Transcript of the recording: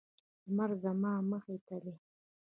لمر زما مخې ته دی